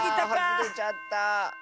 はずれちゃった！